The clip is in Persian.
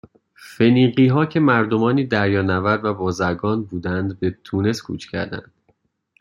فنیقیها که مردمانی دریانورد و بازرگان بودند به تونس کوچ کردند